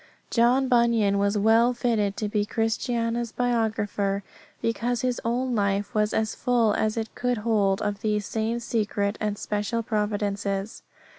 John Bunyan was well fitted to be Christiana's biographer, because his own life was as full as it could hold of these same secret and special providences.